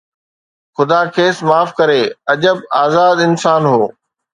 خدا کيس معاف ڪري، عجب آزاد انسان هو